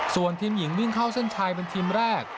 ส่วนทีมหญิงวิ่งเข้าเส้นชัยเป็นทีมแรก